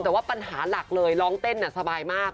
แต่ว่าปัญหาหลักเลยร้องเต้นสบายมาก